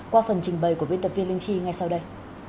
qua phần trình bày của biên tập viên linh chi ngay sau đây